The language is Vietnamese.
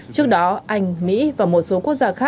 trước đó anh mỹ và một số quốc gia đã đặt tài khoản twitter cá nhân